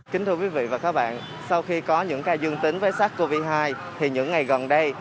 kính thưa quý vị và các bạn sau khi có những ca dương tính với sars cov hai thì những ngày gần đây